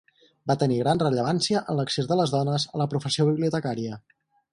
Va tenir gran rellevància en l'accés de les dones a la professió bibliotecària.